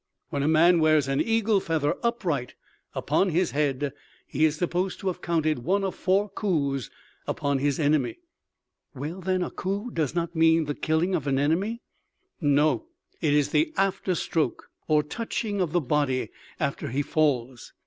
When a man wears an eagle feather upright upon his head, he is supposed to have counted one of four coups upon his enemy." "Well, then, a coup does not mean the killing of an enemy?" "No, it is the after stroke or touching of the body after he falls.